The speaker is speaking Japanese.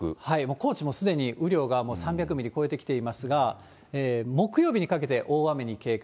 高知もすでに雨量がもう３００ミリ超えてきていますが、木曜日にかけて大雨に警戒。